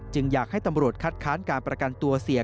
อยากให้ตำรวจคัดค้านการประกันตัวเสีย